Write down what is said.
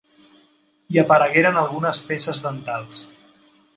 Hi aparegueren algunes peces dentals.